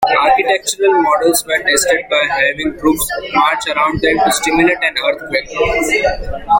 Architectural models were tested by having troops march around them to simulate an earthquake.